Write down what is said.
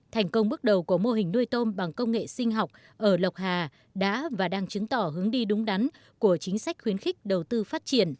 thành công bước đầu của mô hình nuôi tôm bằng công nghệ sinh học ở lộc hà đã và đang chứng tỏ hướng đi đúng đắn của chính sách khuyến khích đầu tư phát triển